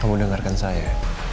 kamu dengarkan saya